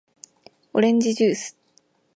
おれんじじゅーす